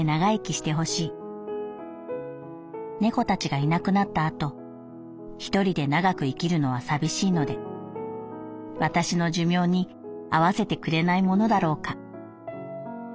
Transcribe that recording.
猫たちがいなくなった後一人で長く生きるのは寂しいので私の寿命に合わせてくれないものだろうか」。